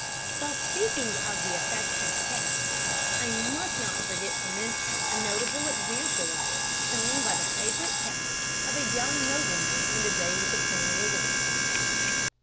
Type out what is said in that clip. While speaking of the affection of cats, I must not forget to mention a notable example of it shown by the favourite cat of a young nobleman in the days of Queen Elizabeth.